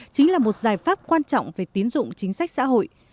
chính là một giải pháp quan trọng về tiến dụng chính sách xã hội